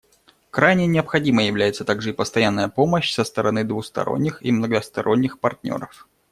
Крайне необходимой является также и постоянная помощь со стороны двусторонних и многосторонних партнеров.